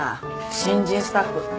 新人スタッフ。